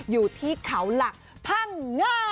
อยู่ที่เขาหลักพังงา